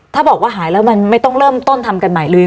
ถ้าบอกว่าหายแล้วมันไม่ต้องเริ่มต้นทำกันใหม่เลย